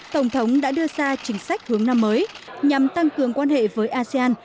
tổng thống đã đưa ra chính sách hướng năm mới nhằm tăng cường quan hệ với asean